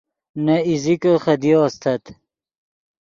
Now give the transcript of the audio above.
نے ایزیکے خدیو استت